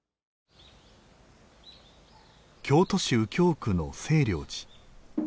京都市右京区の清凉寺。